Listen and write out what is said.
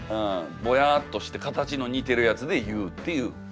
ぼやっとして形の似てるやつで言うっていう。